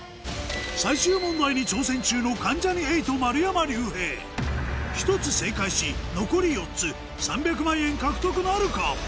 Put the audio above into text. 最終問題に挑戦中の１つ正解し残り４つ３００万円獲得なるか？